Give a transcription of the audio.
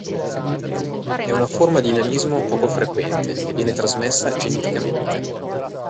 È una forma di nanismo poco frequente e viene trasmessa geneticamente.